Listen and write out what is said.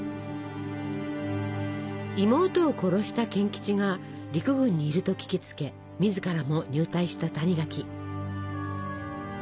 妹を殺した賢吉が陸軍にいると聞きつけ自らも入隊した谷垣。